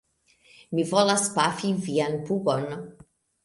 Mi volas pafi vian pugon!